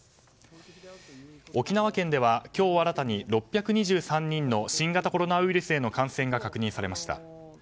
沖縄県では今日新たに６２３人の新型コロナウイルスへの感染が確認されました。